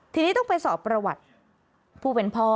ทีนี้ต้องไปสอบประวัติผู้เป็นพ่อ